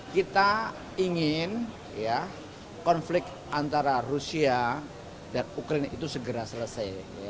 kita ingin konflik antara rusia dan ukraine itu segera selesai